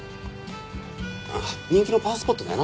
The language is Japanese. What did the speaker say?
ああ人気のパワースポットだよな。